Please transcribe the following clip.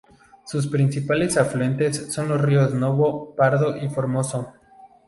Sus principales afluentes son los ríos Novo, Pardo y Formoso.